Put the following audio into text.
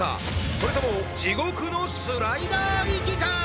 それとも地獄のスライダー行きか？